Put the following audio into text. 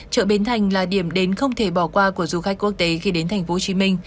chợ bến thành là điểm đến không thể bỏ qua của du khách quốc tế khi đến tp hcm